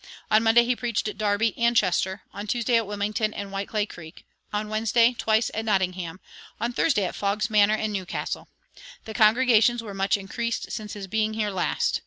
On Monday he preached at Darby and Chester; on Tuesday at Wilmington and Whiteclay Creek; on Wednesday, twice at Nottingham; on Thursday at Fog's Manor and New Castle. The congregations were much increased since his being here last.